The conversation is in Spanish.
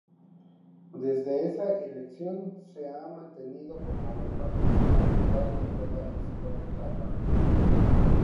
Desde esa elección se ha mantenido como el partido más votado de toda Eslovaquia.